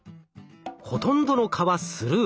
ほとんどの蚊はスルー。